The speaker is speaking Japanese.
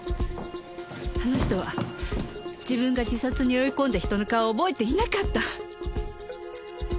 あの人は自分が自殺に追い込んだ人の顔を覚えていなかった！